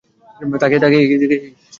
তাকিয়ে কি দেখছিস?